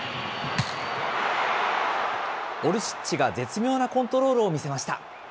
オルシッチが絶妙なコントロールを見せました。